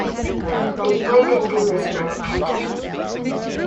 They played in Louisville, Kentucky.